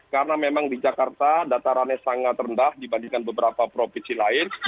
karena memang di jakarta datarannya sangat rendah dibandingkan beberapa provinsi lain